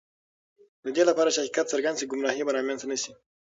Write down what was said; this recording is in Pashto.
د دې لپاره چې حقیقت څرګند شي، ګمراهی به رامنځته نه شي.